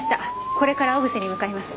これから小布施に向かいます。